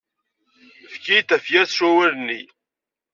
Efk-iyi-d tafyirt s wawal-nni.